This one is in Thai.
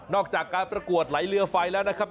จากการประกวดไหลเรือไฟแล้วนะครับ